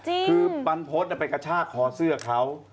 คือบรรพฤษไปกระชากคอเสื้อเขา